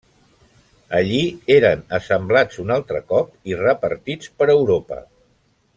Allí eren assemblats un altre cop i repartits per Europa.